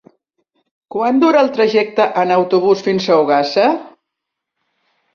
Quant dura el trajecte en autobús fins a Ogassa?